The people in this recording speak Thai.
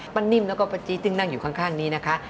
นิ่มแล้วก็ป้าจี๊ซึ่งนั่งอยู่ข้างนี้นะคะ